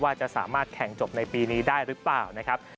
ว่าจะสามารถแข่งจบในปีนี้ได้หรือเปล่านะครับ